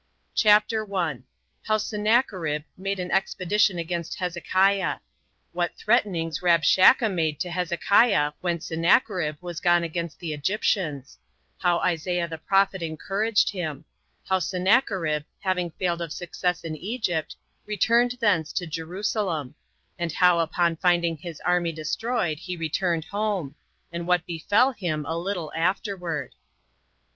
CHAPTER 1. How Sennacherib Made An Expedition Against Hezekiah; What Threatenings Rabshakeh Made To Hezekiah When Sennacherib Was Gone Against The Egyptians; How Isaiah The Prophet Encouraged Him; How Sennacherib Having Failed Of Success In Egypt, Returned Thence To Jerusalem; And How Upon His Finding His Army Destroyed, He Returned Home; And What Befell Him A Little Afterward.